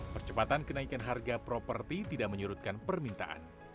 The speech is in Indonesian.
percepatan kenaikan harga properti tidak menyurutkan permintaan